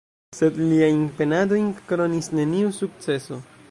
Sed liajn penadojn kronis neniu sukceso.